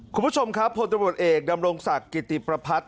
คุณผู้ชมครับพลตำรวจเอกดำรงศักดิ์กิติประพัฒน์